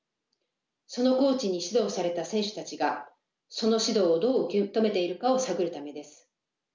そのコーチに指導された選手たちがその指導をどう受け止めているかを探るためです。